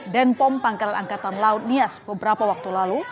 dan pom pangkalan angkatan laut nias beberapa waktu lalu